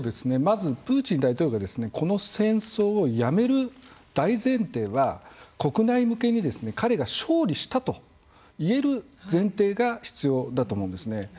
まず、プーチン大統領がこの戦争をやめる大前提は国内向けに彼が勝利したと言える前提が必要だと思うんですね。